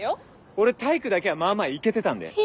俺体育だけはまあまあイケてたんで。